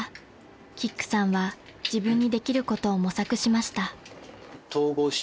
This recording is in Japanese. ［キックさんは自分にできることを模索しました］